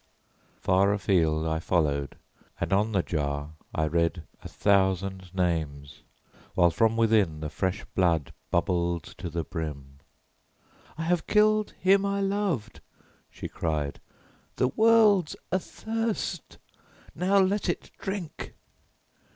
Far afield I followed, and on the jar I read a thousand names, while from within the fresh blood bubbled to the brim. "I have killed him I loved!" she cried. "The world's athirst; now let it drink!"